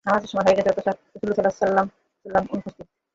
নামাযের সময় হয়ে গেছে, অথচ রাসুলুল্লাহ সাল্লাল্লাহু আলাইহি ওয়াসাল্লাম অনুপস্থিত।